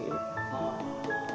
ああ。